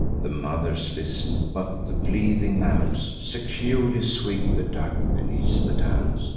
The mothers listen; but the bleating lambs Securely swig the dug, beneath the dams.